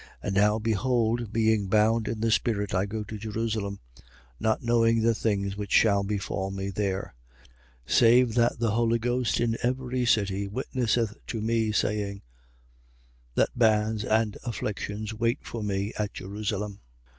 20:22. And now, behold, being bound in the spirit, I go to Jerusalem: not knowing the things which shall befall me there: 20:23. Save that the Holy Ghost in every city witnesseth to me, saying: That bands and afflictions wait for me at Jerusalem.